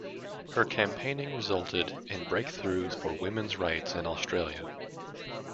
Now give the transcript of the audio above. Her campaigning resulted in breakthroughs for women's rights in Australia.